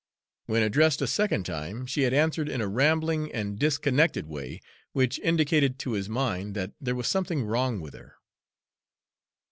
When addressed a second time, she had answered in a rambling and disconnected way, which indicated to his mind that there was something wrong with her.